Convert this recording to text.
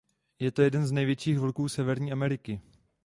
Je to jeden z největších vlků Severní Ameriky.